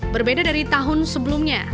berbeda dari tahun sebelumnya